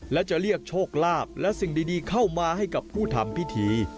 และจะเรียกโชคลาภและสิ่งดีเข้ามาให้กับผู้ทำพิธี